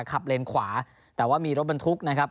เลนขวาแต่ว่ามีรถบรรทุกนะครับ